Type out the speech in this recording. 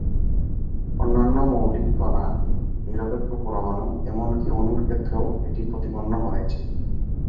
অন্যান্য মৌলিক কণা, নিরপেক্ষ পরমাণু এমনকি অণুর ক্ষেত্রেও এটি প্রতিপন্ন হয়েছে।